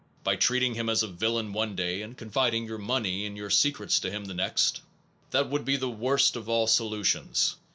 By treating him as a villain one day, and confiding your money and your secrets to him the next? That would be the worst of all solutions.